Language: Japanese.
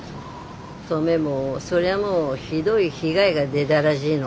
登米もそりゃもうひどい被害が出だらしいの。